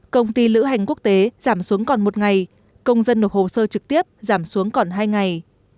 công ty lữ hành quốc tế giảm xuống còn một ngày công dân nộp hồ sơ trực tiếp giảm xuống còn hai ngày